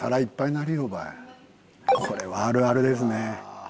これはあるあるですね。